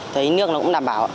thấy nước nó cũng đảm bảo